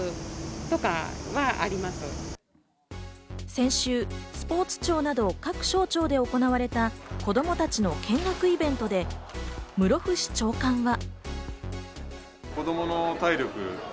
先週、スポーツ庁など各省庁で行われた子供たちの見学イベントで、室伏長官が。